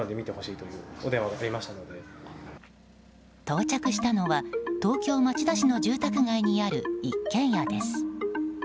到着したのは東京・町田市の住宅街にある一軒家です。